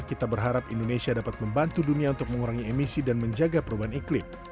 kita berharap indonesia dapat membantu dunia untuk mengurangi emisi dan menjaga perubahan iklim